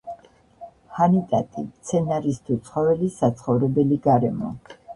ჰანიტატი-მცენარის თუ ცხოველის საცხოვებელი გარემო